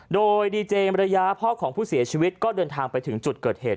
โดยดีเจมรยาพ่อของผู้เสียชีวิตก็เดินทางไปถึงจุดเกิดเหตุ